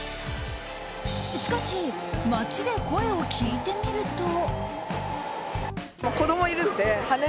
しかし街で声を聞いてみると。